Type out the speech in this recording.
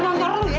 nongkrur lu ya